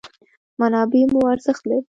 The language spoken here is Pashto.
منابع مو ارزښت لري.